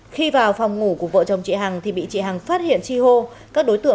khi vào phòng ngủ của vợ chồng chị hằng thì bị chị hằng phát hiện chi hô